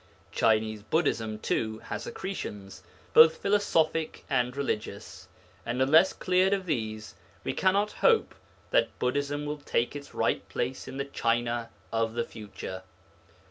Chinese Buddhism, too, has accretions, both philosophic and religious, and unless cleared of these, we cannot hope that Buddhism will take its right place in the China of the future.